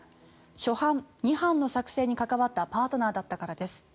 初版、２版の作成に関わったパートナーだったからです。